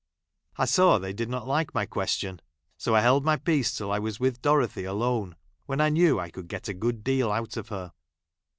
I saw they did not like I my que stion, so I held my peace till I was with Dorothy alone, when I knew I could get a good deal out of her.